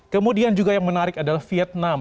kemudian juga yang menarik adalah vietnam